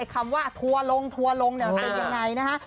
คำว่าทัวร์ลงทัวร์ลงเป็นยังไงนะฮะ